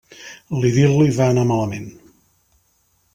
L'idil·li va anar malament.